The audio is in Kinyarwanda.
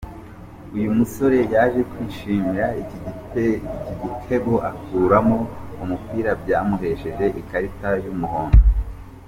Uyu musore yaje kwishimira iki gitego akuramo umupira byamuhesheje ikarita y’umuhondo.